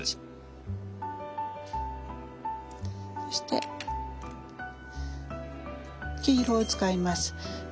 そして黄色を使います。